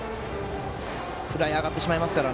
フライが上がってしまいますから。